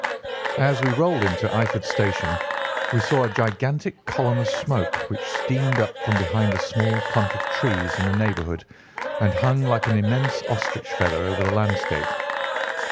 As we rolled into Eyford Station we saw a gigantic column of smoke which streamed up from behind a small clump of trees in the neighbourhood and hung like an immense ostrich feather over the landscape.